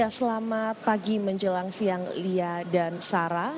selamat pagi menjelang siang lia dan sarah